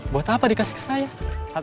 buat apa dikasih saya